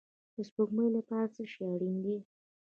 د سپوږمۍ لپاره څه شی اړین دی؟